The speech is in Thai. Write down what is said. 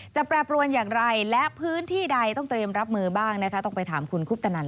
แปรปรวนอย่างไรและพื้นที่ใดต้องเตรียมรับมือบ้างนะคะต้องไปถามคุณคุปตนัน